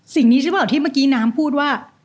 สิ่งนี้ใช่ไหมที่เมื่อกี้น้ำพูดว่า